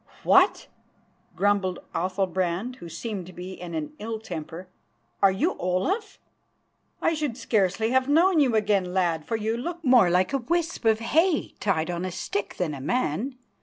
"What!" grumbled Athalbrand, who seemed to be in an ill temper, "are you Olaf? I should scarcely have known you again, lad, for you look more like a wisp of hay tied on a stick than a man.